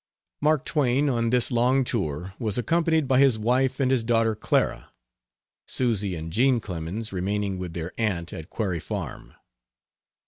Mark Twain, on this long tour, was accompanied by his wife and his daughter Clara Susy and Jean Clemens remaining with their aunt at Quarry Farm.